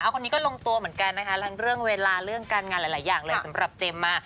คนนี้ก็ลงตัวเหมือนกันนะคะทั้งเรื่องเวลาเรื่องการงานหลายอย่างเลยสำหรับเจมส์มา